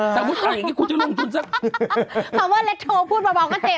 สมมุติเอาอย่างนี้คุณจะลุงคุณสักคำว่าเล็กโทรพูดเบาก็เจ็บ